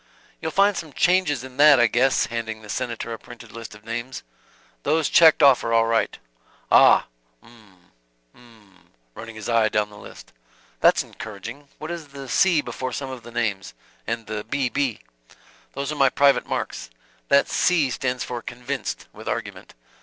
"You'll find some changes in that I guess," handing the Senator a printed list of names. "Those checked off are all right." "Ah 'm 'm," running his eye down the list. "That's encouraging. What is the 'C' before some of the names, and the 'B. B.'?" "Those are my private marks. That 'C' stands for 'convinced,' with argument.